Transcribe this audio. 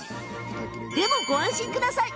でも、ご安心ください！